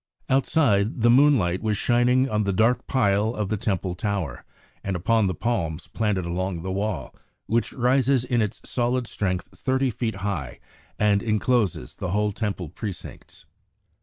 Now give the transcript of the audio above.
Outside the moonlight was shining on the dark pile of the Temple tower, and upon the palms planted along the wall, which rises in its solid strength 30 feet high and encloses the whole Temple precincts.